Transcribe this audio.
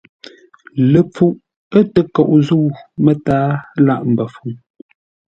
Ləpfuʼ ə̂ təkoʼ zə̂u mətǎa lâʼ mbəfuŋ.